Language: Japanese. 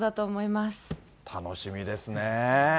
楽しみですね。